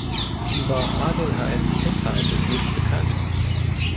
Über Adelheids Kindheit ist nichts bekannt.